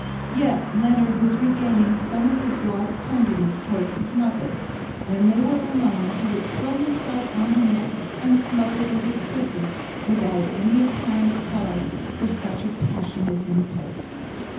Yet Leonard was regaining some of his lost tenderness towards his mother; when they were alone he would throw himself on her neck and smother her with kisses, without any apparent cause for such a passionate impulse.